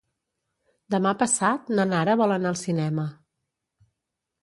Demà passat na Nara vol anar al cinema.